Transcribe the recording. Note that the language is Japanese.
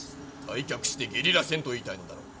退却してゲリラ戦と言いたいのだろう？